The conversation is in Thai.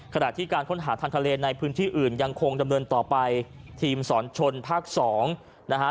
ขณะที่การค้นหาทางทะเลในพื้นที่อื่นยังคงดำเนินต่อไปทีมสอนชนภาคสองนะฮะ